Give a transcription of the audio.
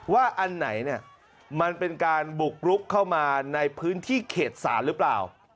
อันไหนเนี่ยมันเป็นการบุกรุกเข้ามาในพื้นที่เขตศาลหรือเปล่า